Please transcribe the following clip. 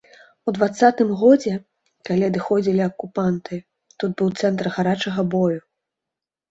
У дваццатым годзе, калі адыходзілі акупанты, тут быў цэнтр гарачага бою.